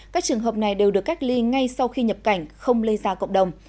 các trường hợp này đều được cách ly ngay sau khi nhập cảnh không lây ra cộng đồng